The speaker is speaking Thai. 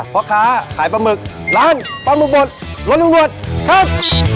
พ่อค้าขายปลาหมึกร้านปลาหมึกบดรถตำรวจครับ